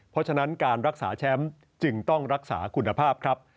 เพราะฉะนั้นการรักษาแชมป์จึงต้องรักษาคุณภาพครับ